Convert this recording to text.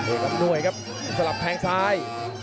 อำนวยครับสลับแทงซ้าย